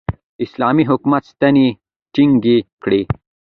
اسلامي حکومت ستنې ټینګې کړې.